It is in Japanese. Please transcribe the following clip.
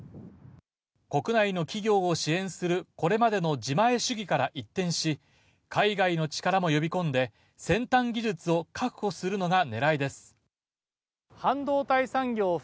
国内の企業を支援するこれまでの自前主義から一転し、海外の力も呼び込んで、先端技術を確保するのがねらいです。